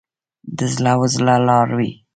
د زړه و زړه لار وي.